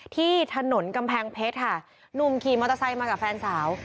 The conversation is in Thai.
ที่ถนนกำแพงเพชรค่ะหนุ่มขี่มอเตอร์ไซค์มากับแฟนสาว